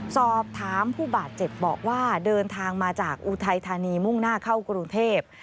สอบถามผู้บาดเจ็บบอกว่าเดินทางมาจากอุทัยธานีมุ่งหน้าเข้ากรุงเทพ